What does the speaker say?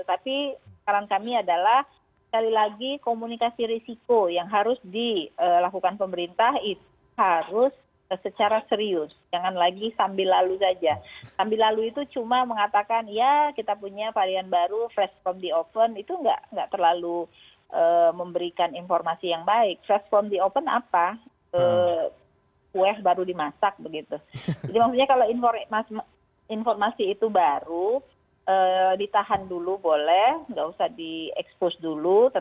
apakah sebelumnya rekan rekan dari para ahli epidemiolog sudah memprediksi bahwa temuan ini sebetulnya sudah ada di indonesia